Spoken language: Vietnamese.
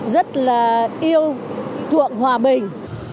rất là yêu chuộng hòa bình